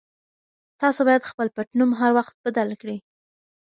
تاسي باید خپل پټنوم هر وخت بدل کړئ.